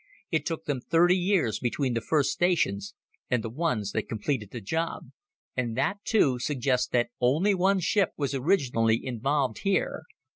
It took them thirty years between the first stations and the ones that completed the job. "And that, too, suggests that only one ship was originally involved here.